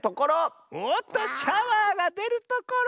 おっとシャワーがでるところ。